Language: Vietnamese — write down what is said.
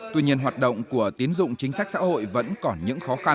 tuy nhiên hoạt động của tín dụng chính sách xã hội vẫn còn những